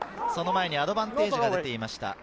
その前にアドバンテージが出ていました。